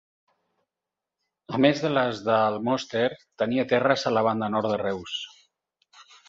A més de les d'Almoster, tenia terres a la banda nord de Reus.